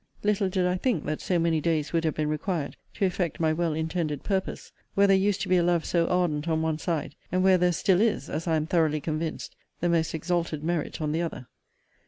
Little did I think that so many days would have been required to effect my well intended purpose, where there used to be a love so ardent on one side, and where there still is, as I am thoroughly convinced, the most exalted merit on the other!